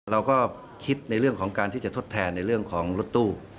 เราก็คิดในเรื่องของการที่จะทดแทนในเรื่องของรถตู้